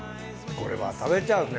これは食べちゃうね